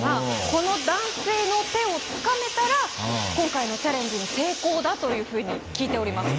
この男性の手をつかめたら今回のチャレンジに成功だというふうに聞いております。